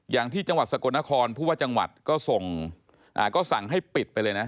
อย่างที่จังหวัดสกลนครผู้ว่าจังหวัดก็ส่งก็สั่งให้ปิดไปเลยนะ